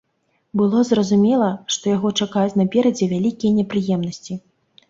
Было зразумела, што яго чакаюць наперадзе вялікія непрыемнасці.